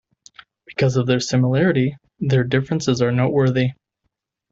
Because of their similarity, their differences are noteworthy.